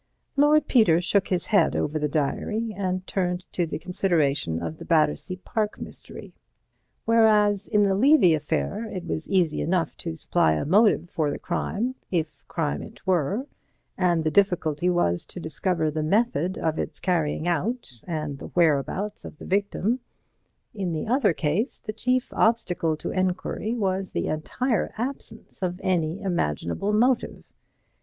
Lord Peter shook his head over the diary, and turned to the consideration of the Battersea Park mystery. Whereas in the Levy affair it was easy enough to supply a motive for the crime, if crime it were, and the difficulty was to discover the method of its carrying out and the whereabouts of the victim, in the other case the chief obstacle to enquiry was the entire absence of any imaginable motive.